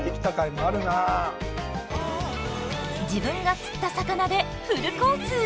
自分が釣った魚でフルコース。